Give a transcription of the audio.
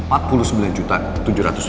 tapi lo masih punya utang sama gue